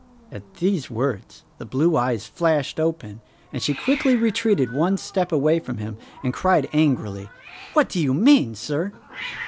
At these words the blue eyes flashed open, and she quickly retreated one step away from him, and cried angrily, "What do you mean, Sir?"